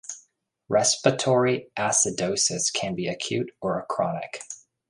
Respiratory acidosis can be acute or chronic.